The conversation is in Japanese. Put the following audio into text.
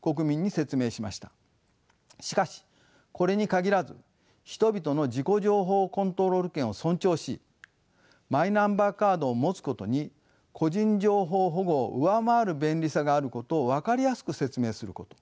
しかしこれに限らず人々の自己情報コントロール権を尊重しマイナンバーカードを持つことに個人情報保護を上回る便利さがあることを分かりやすく説明すること。